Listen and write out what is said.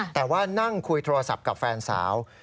แต่ว่านั่งคุยโทรศัพท์กับแฟนสาว